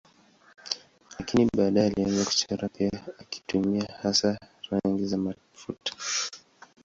Lakini baadaye alianza kuchora pia akitumia hasa rangi za mafuta.